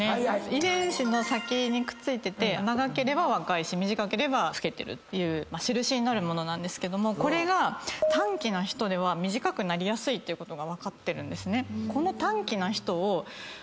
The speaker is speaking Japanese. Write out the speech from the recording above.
遺伝子の先にくっついてて長ければ若い短ければ老けてるって印になる物ですけどこれが短気な人では短くなりやすいって分かってる。